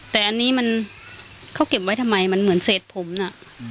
แต่อันนี้มันเขาเก็บไว้ทำไมมันเหมือนเศษผมน่ะ